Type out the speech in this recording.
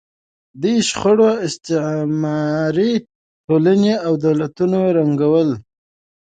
دې شخړو استعماري ټولنې او دولتونه ړنګول.